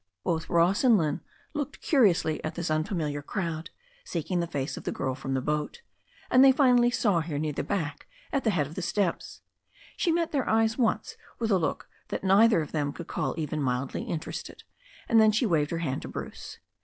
Both Ross and Lynne looked curiously at this unfamiliar crowd, seeking the face of the girl from the boat ; and they 266 THE STORY OF A NEW ZEALAND RIVER finally saw her near the back, at the head of the steps. She met their eyes once with a look that neither of them could call even mildly interested, and then she waved her hand to Bruce.